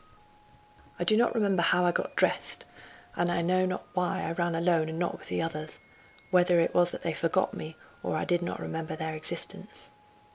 I do not remember how I got dressed, and know not why I ran alone and not with the others; whether it was that they forgot me, or I did not remember their existence.